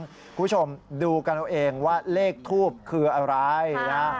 คุณผู้ชมดูกันเอาเองว่าเลขทูบคืออะไรนะ